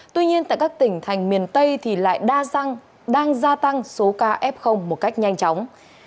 tuy nhiên tại các tỉnh thành miền tây thì lại đa xăng đang gia tăng số ca f một cách nhanh chóng